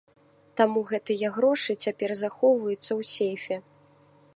Таму гэтыя грошы цяпер захоўваюцца ў сейфе.